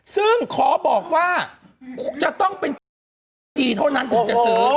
ซึ่งขอบอกว่าจะต้องเป็นคนที่ดีเท่านั้นถึงจะซื้อ